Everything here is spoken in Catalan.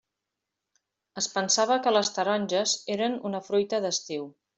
Es pensava que les taronges eren una fruita d'estiu.